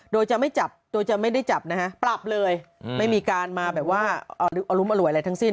โดยจะไม่ได้จับปรับเลยไม่มีการมาอรุมอร่วยอะไรทั้งสิ้น